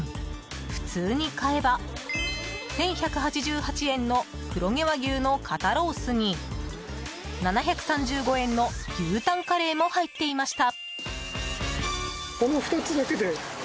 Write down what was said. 普通に買えば、１１８８円の黒毛和牛の肩ロースに７３５円の牛タンカレーも入っていました。